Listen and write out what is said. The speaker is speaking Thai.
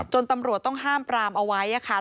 ตำรวจต้องห้ามปรามเอาไว้ค่ะ